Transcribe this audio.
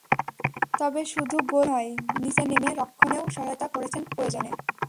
তবে শুধু গোল করা নয়, নিচে নেমে রক্ষণেও সহায়তা করেছেন প্রয়োজনে।